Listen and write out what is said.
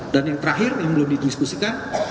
dan yang terakhir yang belum didiskusikan